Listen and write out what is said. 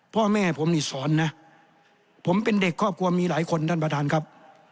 พ่อแม่ผมนี่สอนนะผมเป็นเด็กครอบครัวมีหลายคนท่านประธานครับ